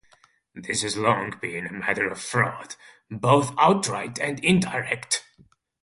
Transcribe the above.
This has long been a matter of fraud, both outright and indirect.